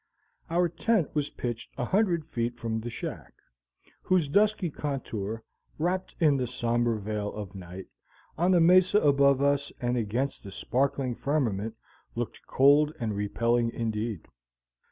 Our tent was pitched a hundred feet from the shack, whose dusky contour, wrapped in the sombre veil of night, on the mesa above us and against the sparkling firmament, looked cold and repelling indeed.